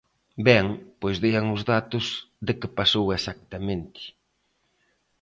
Ben, pois dean os datos de que pasou exactamente.